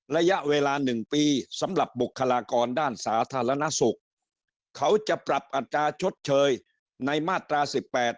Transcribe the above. ระยะเวลาหนึ่งปีสำหรับบุคลากรด้านสาธารณสุขเขาจะปรับอัตราชดเชยในมาตราสิบแปด